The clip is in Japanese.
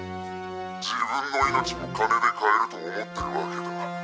自分の命も金で買えると思ってるわけだな。